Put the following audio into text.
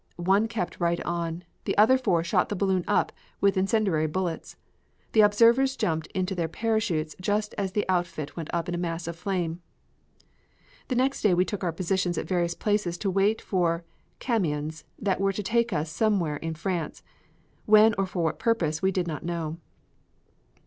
One kept right on. The other four shot the balloon up with incendiary bullets. The observers jumped into their parachutes just as the outfit went up in a mass of flame. The next day we took our positions at various places to wait for camions that were to take us somewhere in France, when or for what purpose we did not know.